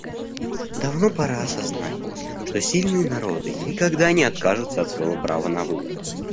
Давно пора осознать, что сильные народы никогда не откажутся от своего права на выбор.